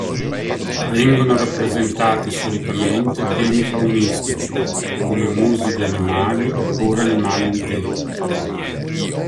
Vengono rappresentati solitamente temi faunistici, come musi di animali oppure animali interi.